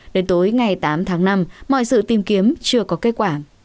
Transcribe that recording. đến tối ngày tám tháng năm mọi sự tìm kiếm chưa có kết quả